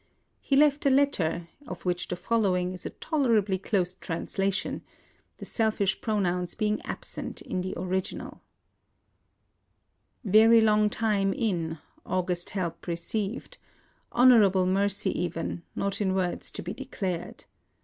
He left a letter, of which the following is a tolerably close translation, — the selfish pro nouns being absent in the original : "Fer y long time in, august help received; — honorable mercy even, not in words to he declared.